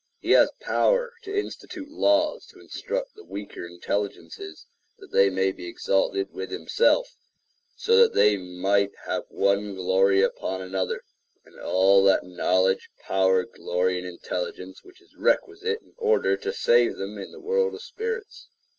He has power to institute laws to instruct the weaker intelligences, that they may be exalted with himself, so that they might have one glory upon another, and all that knowledge, power, glory, and intelligence, which is requisite in order to save them in the world of spirits.